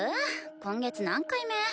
今月何回目？